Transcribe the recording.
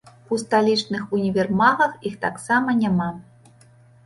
У сталічных універмагах іх таксама няма.